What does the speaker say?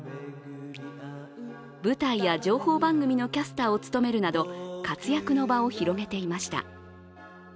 舞台や情報番組のキャスターを務めるなど活躍の場を広げていました。